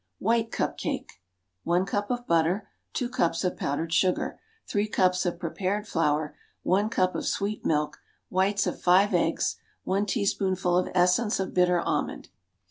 White Cup cake. One cup of butter. Two cups of powdered sugar. Three cups of prepared flour. One cup of sweet milk. Whites of five eggs. One teaspoonful of essence of bitter almond.